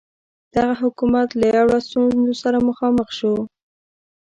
دغه حکومت له یو لړ ستونزو سره مخامخ شو.